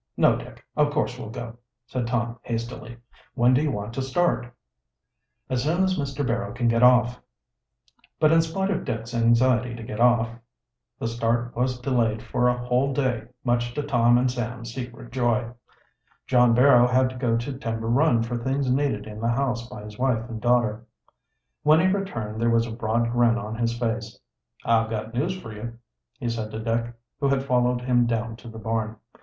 "No, Dick, of course we'll go," said Tom hastily. "When do you want to start?" "As soon as Mr. Barrow can get off." But, in spite of Dick's anxiety to get off, the start was delayed for a whole day, much to Tom and Sam's secret joy. John Barrow had to go to Timber Run for things needed in the house by his wife and daughter. When he returned there was a broad grin on his face. "I've got news for you," he said to Dick, who had followed him down to the barn.